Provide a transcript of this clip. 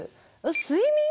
睡眠？